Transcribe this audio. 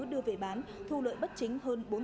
đưa về bán thu lợi bất chính hơn